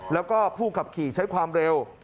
แล้วก็ผู้ขับขี่ใช้ความเร็ว